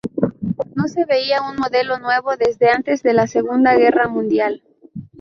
No se veía un modelo nuevo desde antes de la Segunda Guerra Mundial.